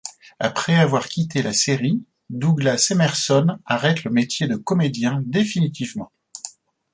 Après avoir quitté la série, Douglas Emerson arrête le métier de comédien définitivement.